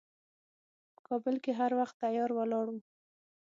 په کابل کې هر وخت تیار ولاړ و.